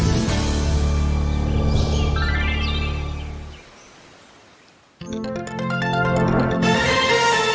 สวัสดีครับ